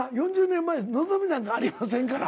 ４０年前のぞみなんかありませんから。